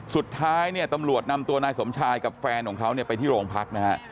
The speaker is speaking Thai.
สุดท้ายเนี่ยตำรวจนำตัวนายสมชายกับแฟนของเขาเนี่ยไปที่โรงพักนะฮะ